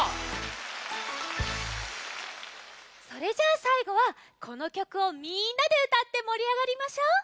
それじゃあさいごはこのきょくをみんなでうたってもりあがりましょう！